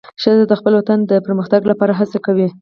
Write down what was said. ښځه د خپل وطن د پرمختګ لپاره هڅه کوي.